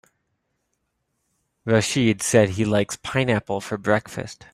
Rachid said he likes pineapple for breakfast.